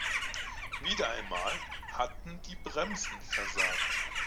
Wieder einmal hatten die Bremsen versagt.